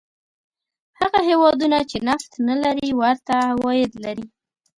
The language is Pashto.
هغه هېوادونه چې نفت نه لري ورته عواید لري.